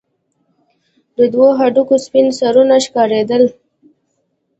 د دوو هډوکو سپين سرونه ښكارېدل.